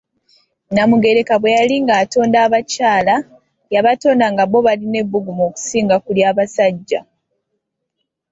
Nnamugereka bwe yali ng'atonnda abakyala, yabatonda nga bo balina ebbugumu okusinga ku lya basajja.